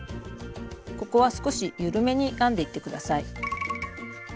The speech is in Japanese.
ここは少し緩めに編んでいって下さい。